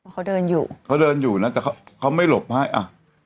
เขาเดินอยู่เขาเดินอยู่นะแต่เขาเขาไม่หลบให้อ่ะ